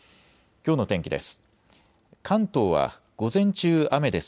きょうの天気です。